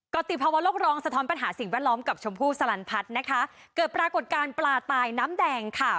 ติภาวะโลกร้องสะท้อนปัญหาสิ่งแวดล้อมกับชมพู่สลันพัฒน์นะคะเกิดปรากฏการณ์ปลาตายน้ำแดงค่ะ